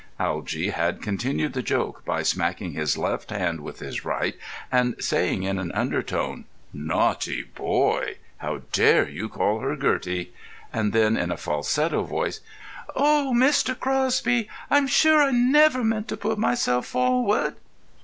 Algy had continued the joke by smacking his left hand with his right, and saying in an undertone, "Naughty boy, how dare you call her Gertie?" and then in a falsetto voice: "Oh, Mr. Crosby, I'm sure I never meant to put myself forward!"